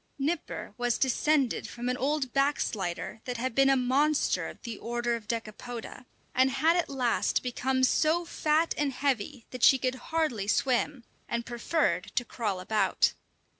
Nipper was descended from an old "backslider" that had been a monster of the order of Decapoda, and had at last become so fat and heavy that she could hardly swim, and preferred to crawl about.